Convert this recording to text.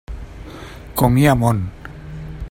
Com hi ha món!